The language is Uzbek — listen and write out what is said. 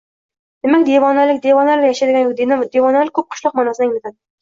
Demak, Devonalik – devonalar yashaydigan yoki devonalar ko‘p qishloq ma’nosini anglatadi.